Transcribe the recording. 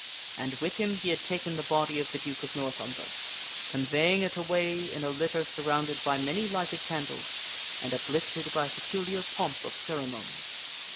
And with him he had taken the body of the Duke of North Umber, conveying it away in a litter surrounded by many lighted candles and uplifted by a peculiar pomp of ceremony.